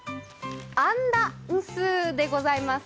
アンダンスーでございます。